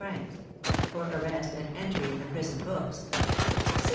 _; for arrest and entry in the prison books, 60_f.